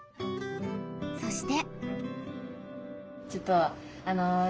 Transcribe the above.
そして。